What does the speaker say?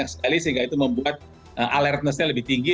sehingga itu membuat alertness nya lebih tinggi